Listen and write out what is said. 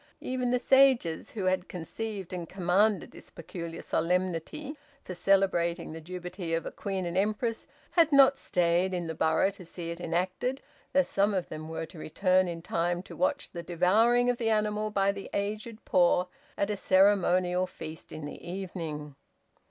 Even the sages who had conceived and commanded this peculiar solemnity for celebrating the Jubilee of a Queen and Empress had not stayed in the borough to see it enacted, though some of them were to return in time to watch the devouring of the animal by the aged poor at a ceremonial feast in the evening.